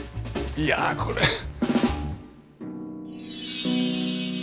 いやこれ。